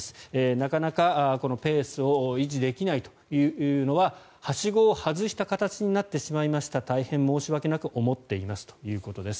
なかなかペースを維持できないというのははしごを外した形になってしまいました大変申し訳なく思っていますということです。